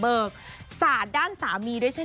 แต่มีนักแสดงคนนึงเดินเข้ามาหาผมบอกว่าขอบคุณพี่แมนมากเลย